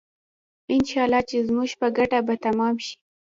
انشاالله چې زموږ په ګټه به تمام شي.